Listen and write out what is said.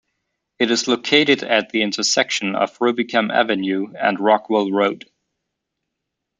It is located at the intersection of Rubicam Avenue and Rockwell Road.